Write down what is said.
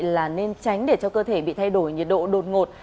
là nên tránh để cho cơ thể bị thay đổi nhiệt độ đột ngột